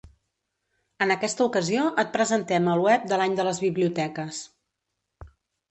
En aquesta ocasió et presentem el web de l'Any de les Biblioteques.